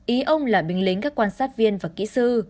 ý ông là binh lính các quan sát viên và kỹ sư